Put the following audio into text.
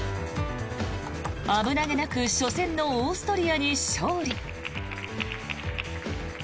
危なげなく初戦のオーストリアに勝利。